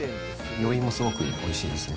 余韻もすごくおいしいですね。